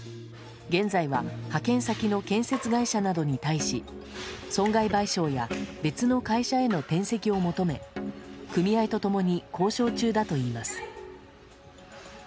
現在は派遣先の建設会社などに対し損害賠償や別の会社への転籍を求め組合と共に交渉中だといいます。